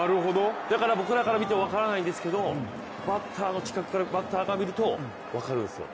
だから僕らから見ても分からないんですけどバッターから見ると分かるんですよ。